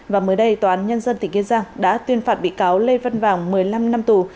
và mới đây tòa án nhân dân tỉnh kiên giang đã tuyên phạt bị cáo lê văn vàng một mươi năm năm tù